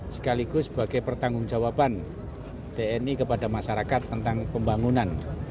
sekaligus sebagai pertanggung jawaban tni kepada masyarakat tentang pembangunan